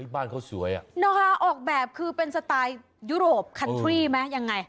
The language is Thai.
บ้านเขาสวยอ่ะนะคะออกแบบคือเป็นสไตล์ยุโรปคันทรี่ไหมยังไง